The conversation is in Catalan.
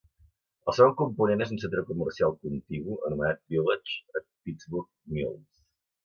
El segon component és un centre comercial contigu anomenat Village at Pittsburgh Mills.